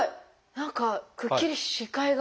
何かくっきり視界が。